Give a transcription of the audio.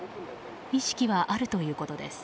意識はあるということです。